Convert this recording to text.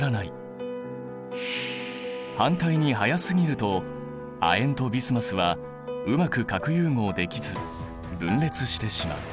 反対に速すぎると亜鉛とビスマスはうまく核融合できず分裂してしまう。